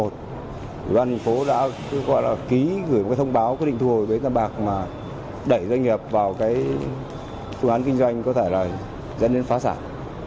thành phố đã gọi là ký gửi một cái thông báo quyết định thu hồi bến tam bạc mà đẩy doanh nghiệp vào cái thương án kinh doanh có thể là dẫn đến phá sản